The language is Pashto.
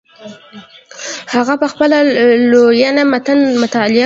هغه په خپله لورینه متن مطالعه کړ.